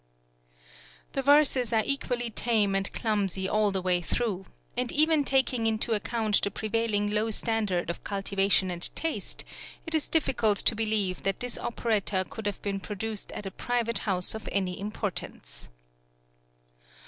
The verses are equally tame and clumsy all the way through; and even taking into account the prevailing low standard of cultivation and taste, it is difficult to believe that this operetta could have been produced at a private house of any importance.